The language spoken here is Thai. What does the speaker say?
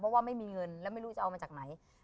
เพราะว่าไม่มีเงินแล้วไม่รู้จะเอามาจากไหน